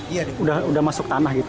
iya udah masuk tanah gitu